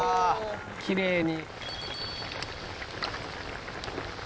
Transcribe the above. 「きれいに」